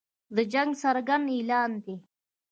د جنګ څرګند اعلان دی.